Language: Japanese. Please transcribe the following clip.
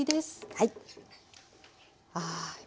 はい。